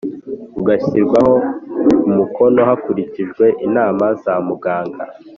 ugashyirwaho umukono hakurikijwe inama za muganga